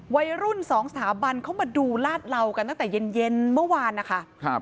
วัยรุ่นสองสถาบันเขามาดูลาดเหลากันตั้งแต่เย็นเย็นเมื่อวานนะคะ